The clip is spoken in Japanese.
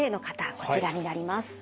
こちらになります。